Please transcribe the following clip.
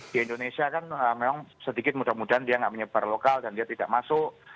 di indonesia kan memang sedikit mudah mudahan dia nggak menyebar lokal dan dia tidak masuk